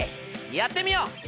やってみよう！